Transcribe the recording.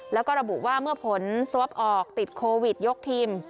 แล้วก็ระบุว่าเมื่อผลสวอปออกติดโควิดยกทีม